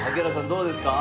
どうですか？